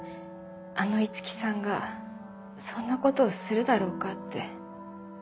あの五木さんがそんなことをするだろうかって。